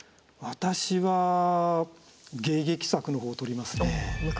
私は迎撃策の方を取りますね。